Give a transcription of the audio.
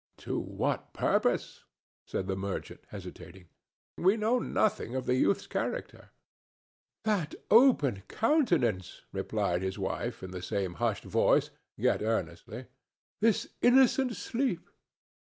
"To what purpose?" said the merchant, hesitating. "We know nothing of the youth's character." "That open countenance!" replied his wife, in the same hushed voice, yet earnestly. "This innocent sleep!"